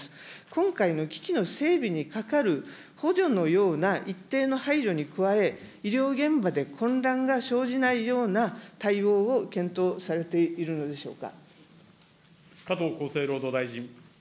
今回の機器の整備にかかる補助のような一定の配慮に加え、医療現場で混乱が生じないような対応を検討されているのでしょうか。